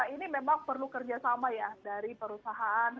ini memang perlu kerjasama ya dari perusahaan